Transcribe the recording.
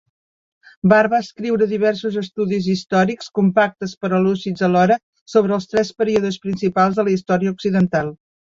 Barr va escriure diversos estudis històrics, compactes però lúcids alhora, sobre els tres períodes principals de la història occidental.